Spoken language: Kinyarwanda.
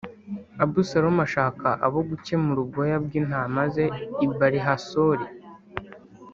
Abusalomu ashaka abo gukemura ubwoya bw’intama ze i Bālihasori